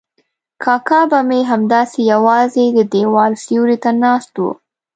کاکا به مې همداسې یوازې د دیوال سیوري ته ناست و.